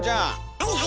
はいはい。